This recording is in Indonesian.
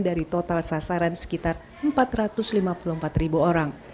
dari total sasaran sekitar empat ratus lima puluh empat ribu orang